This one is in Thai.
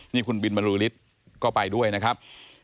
นี่คุณบินบรือฤทธิ์ก็ไปด้วยนะครับ